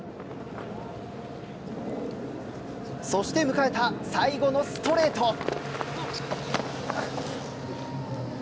そして迎えた最後のストレート。